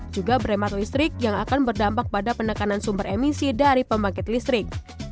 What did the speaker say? juga berhemat listrik yang akan berdampak pada penekanan sumber emisi dari pembangkit listrik